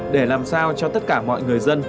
để làm sao cho tất cả mọi người dân